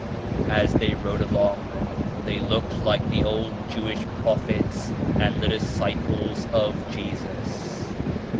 As they rode along they looked like the old Jewish prophets and the Disciples of Jesus.